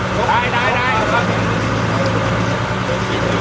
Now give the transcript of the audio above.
กี่รถอย่างกัน